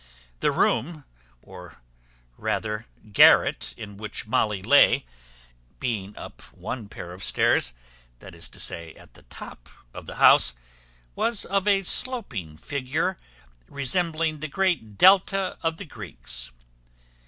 The room, or rather garret, in which Molly lay, being up one pair of stairs, that is to say, at the top of the house, was of a sloping figure, resembling the great Delta of the Greeks.